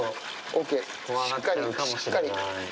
しっかり。